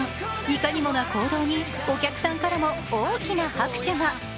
いかにもな行動にお客さんからも大きな拍手が。